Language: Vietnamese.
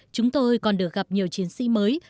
chúng tôi còn được gặp nhiều chiến sĩ mới